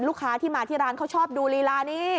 ลูกค้าที่มาที่ร้านเขาชอบดูลีลานี้